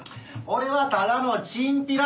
俺はただのチンピラ。